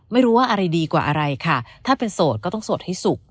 ไม่รู้ว่าอะไรดีกว่าอะไรค่ะถ้าเป็นโสดก็ต้องโสดให้สุข